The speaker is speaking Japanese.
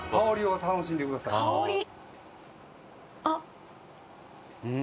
香り。